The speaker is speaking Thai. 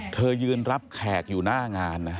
เธอยืนรับแขกอยู่หน้างานนะ